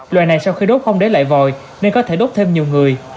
loài này sau khi đốt không để lại vòi nên có thể đốt thêm nhiều người